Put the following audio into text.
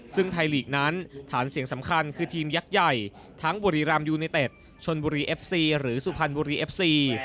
ซึ่งไทยลีกนั้นฐานเสียงสำคัญคือทีมยักษ์ใหญ่ทั้งบุรีรำยูเนเต็ดชนบุรีเอฟซีหรือสุพรรณบุรีเอฟซี